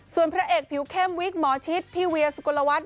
ส่วนพระเอกผิวเข้มวิกหมอชิดพี่เวียสุกลวัฒน